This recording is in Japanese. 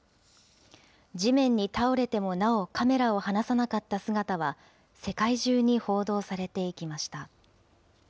地面に倒れてもなお、カメラを離さなかった姿は、世界中に報道されていきました。